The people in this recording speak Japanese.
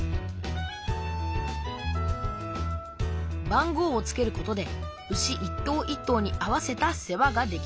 番号をつけることで牛一頭一頭に合わせた世話ができます。